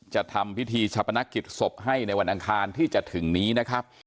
จะทำพิธีชะพนักกิจศพให้ในวันอังคารที่จะถึงนี้นะครับ